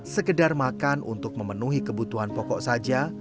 sekedar makan untuk memenuhi kebutuhan pokok saja